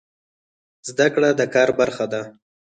زده کړه د کار برخه ده